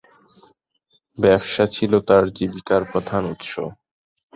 ব্যবসা ছিল তার জীবিকার প্রধান উৎস।